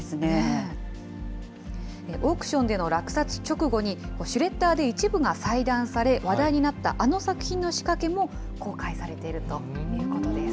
オークションでの落札直後に、シュレッダーで一部が細断され話題になったあの作品の仕掛けも公開されているということです。